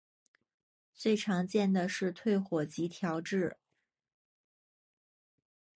最常见的是退火及调质。